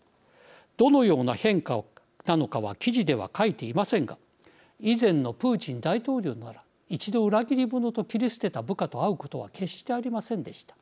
どのような変化なのかは記事では書いていませんが以前のプーチン大統領なら一度裏切り者と切り捨てた部下と会うことは決してありませんでした。